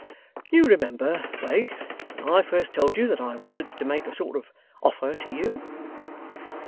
'You remember, Wegg, when I first told you that I wanted to make a sort of offer to you?